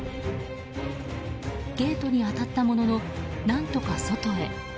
ゲートに当たったものの何とか外へ。